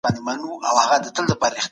ايا ته په ازاده مطالعه کي کوم خنډ وينې؟